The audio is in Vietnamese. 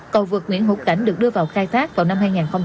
cầu vực nguyễn hữu cảnh được đưa vào khai thác vào năm hai nghìn hai